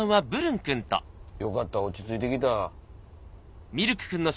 よかった落ち着いて来た。